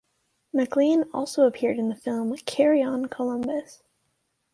Maclean also appeared in the film "Carry On Columbus".